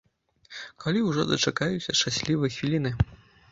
Калі ўжо дачакаюся шчаслівай хвіліны?